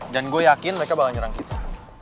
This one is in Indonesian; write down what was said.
dan gue yakin mereka bakal nyerang kita